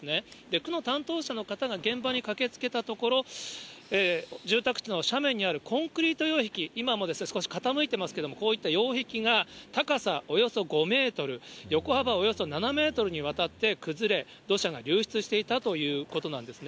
区の担当者の方が現場に駆けつけたところ、住宅地の斜面にあるコンクリート擁壁、今も少し傾いてますけれども、こういった擁壁が高さおよそ５メートル、横幅およそ７メートルにわたって崩れ、土砂が流出していたということなんですね。